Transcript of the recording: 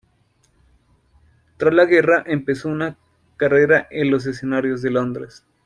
Tras la guerra, empezó una carrera en los escenarios de Londres.